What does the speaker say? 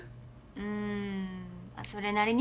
うんそれなりに。